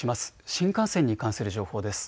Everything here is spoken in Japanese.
新幹線に関する情報です。